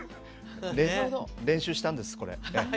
練習したんですこれ。